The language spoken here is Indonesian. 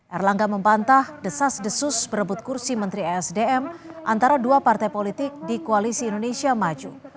erlangga membantah desas desus berebut kursi menteri esdm antara dua partai politik di koalisi indonesia maju